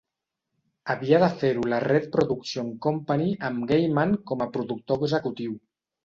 Havia de fer-ho la Red Production Company amb Gaiman com a productor executiu.